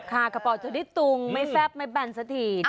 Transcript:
กระเป๋าจะได้ตุงไม่แซ่บไม่แบนสักที